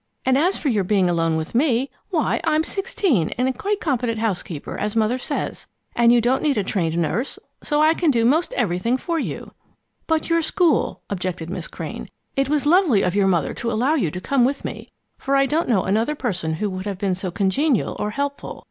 And as for your being alone with me why I'm sixteen and a quite competent housekeeper, as Mother says. And you don't need a trained nurse, so I can do most everything for you." "But your school " objected Miss Crane. "It was lovely of your mother to allow you to come with me, for I don't know another person who would have been so congenial or helpful.